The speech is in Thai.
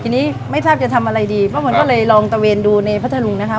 ทีนี้ไม่ทราบจะทำอะไรดีเพราะมันก็เลยลองตะเวนดูในพัทธรุงนะคะ